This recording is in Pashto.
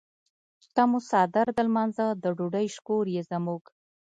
ته مو څادر د لمانځۀ د ډوډۍ شکور یې زموږ.